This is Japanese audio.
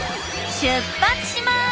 出発します！